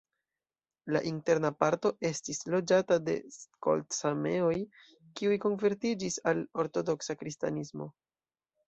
La interna parto estis loĝata de skolt-sameoj, kiuj konvertiĝis al ortodoksa kristanismo.